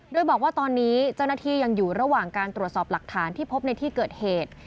โดยบอกว่าตอนนี้เจ้าหน้าที่ยังอยู่ระหว่างการตรวจสอบหลักฐานที่พบในที่เกิดเหตุ